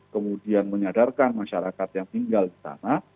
kemudian menyadarkan masyarakat yang tinggal di sana